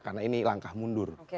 karena ini langkah mundur